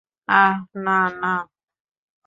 আহ, না, না, না।